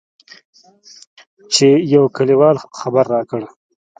چې يوه کليوال خبر راکړ.